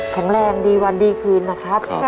แข็งแรงดีวันดีคืนนะครับ